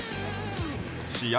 試合